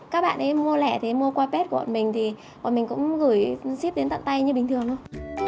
các bạn ấy mua lẻ thì mua qua bếp của bọn mình thì bọn mình cũng gửi ship đến tận tay như bình thường thôi